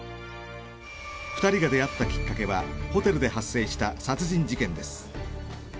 ２人が出会ったきっかけはホテルで発生した殺人事件です。